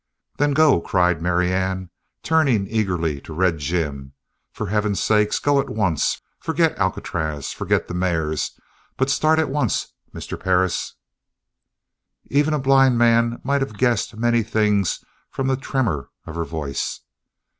"Then go," cried Marianne, turning eagerly to Red Jim. "For heaven's sake, go at once! Forget Alcatraz forget the mares but start at once, Mr. Perris!" Even a blind man might have guessed many things from the tremor of her voice.